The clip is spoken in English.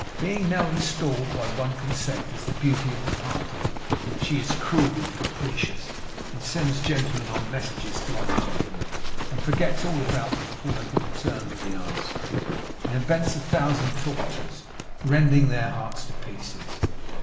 Being now installed, by one consent, as the beauty of the party, she is cruel and capricious, and sends gentlemen on messages to other gentlemen, and forgets all about them before they can return with the answer, and invents a thousand tortures, rending their hearts to pieces.